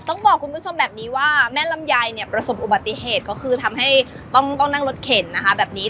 ต้องบอกคุณผู้ชมแบบนี้ว่าแม่ลำไยเนี่ยประสบอุบัติเหตุก็คือทำให้ต้องนั่งรถเข็นนะคะแบบนี้